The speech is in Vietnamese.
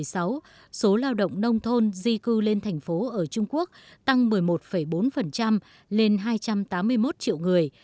đến hai nghìn một mươi sáu số lao động nông thôn di cư lên thành phố ở trung quốc tăng một mươi một bốn lên hai trăm tám mươi một triệu người